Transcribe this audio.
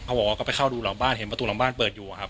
บอกว่าก็ไปเข้าดูหลังบ้านเห็นประตูหลังบ้านเปิดอยู่ครับ